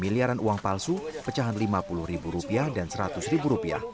miliaran uang palsu pecahan lima puluh ribu rupiah dan seratus ribu rupiah